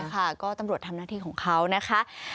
ค่ะก็ตำรวจทำหน้าที่ของเขานะคะ